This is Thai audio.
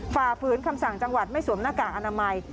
ฝ่าฝืนคำสั่งจังหวัดไม่สวมหน้ากากอนามัย